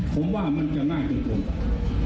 ผมว่ามันจะง่ายจนกว่า